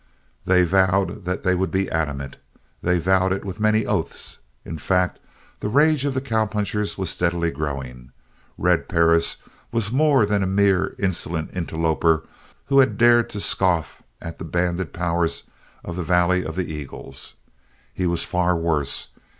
They vowed that they would be adamant. They vowed it with many oaths. In fact, the rage of the cowpunchers was steadily growing. Red Perris was more than a mere insolent interloper who had dared to scoff at the banded powers of the Valley of the Eagles. He was far worse.